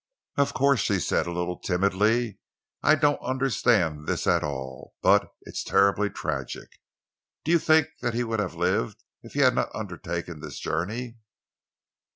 "Of course," she said, a little timidly, "I don't understand this at all, but it is terribly tragic. Do you think that he would have lived if he had not undertaken the journey?"